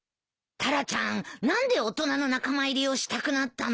タラちゃん何で大人の仲間入りをしたくなったんだろう。